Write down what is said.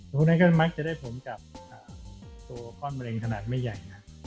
ตรงนั้นก็มักจะได้ผลกับตัวก้อนมะเร็งขนาดไม่ใหญ่นะ